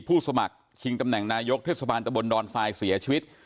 ผู้สมัครชิงตำแหน่งนายกเทศบาลตะบนดอนทรายเสียชีวิต